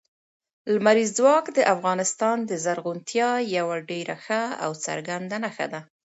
لمریز ځواک د افغانستان د زرغونتیا یوه ډېره ښه او څرګنده نښه ده.